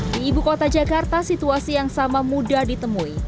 di ibu kota jakarta situasi yang sama mudah ditemui